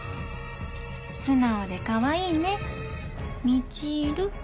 素直でかわいいね満。